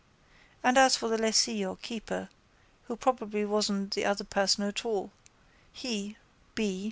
And as for the lessee or keeper, who probably wasn't the other person at all, he (B.)